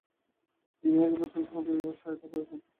তিনি A. K. Fazlul হককে সহায়তা করেছেন।